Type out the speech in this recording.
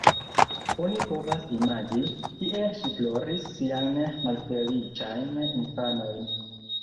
Oni povas imagi, kiel ŝi ploris siajn malfeliĉajn infanojn.